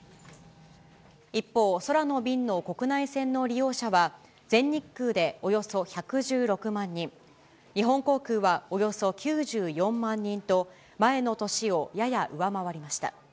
一方、空の便の国内線の利用者は、全日空でおよそ１１６万人、日本航空はおよそ９４万人と、前の年をやや上回りました。